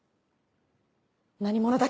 何者だ？